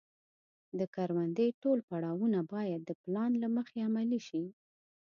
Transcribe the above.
د کروندې ټول پړاوونه باید د پلان له مخې عملي شي.